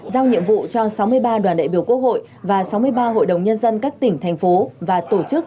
giao nhiệm vụ cho sáu mươi ba đoàn đại biểu quốc hội và sáu mươi ba hội đồng nhân dân các tỉnh thành phố và tổ chức